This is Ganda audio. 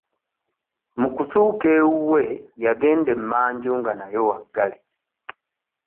Mu kutuuka ewuwe yagenda emmanju nga nayo waggale.